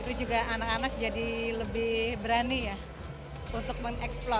itu juga anak anak jadi lebih berani ya untuk mengeksplor